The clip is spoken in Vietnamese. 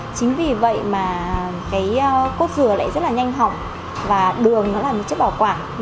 chính vì vậy mà cốt dừa lại rất nhanh hỏng và đường là chất bảo quản